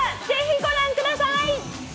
ぜひご覧ください。